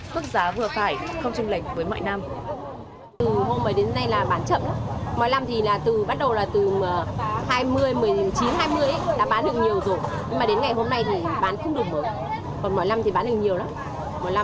phức giá vừa phải không trưng lệch với mọi năm